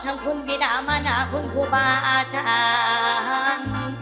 ทั้งคุณบิดามานาคุณครูบาอาจารย์